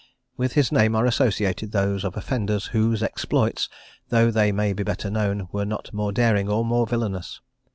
With his name are associated those of offenders whose exploits, though they may be better known, were not more daring or more villanous.